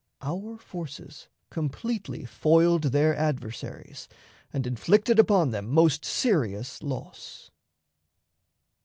Our forces completely foiled their adversaries, and inflicted upon them most serious loss.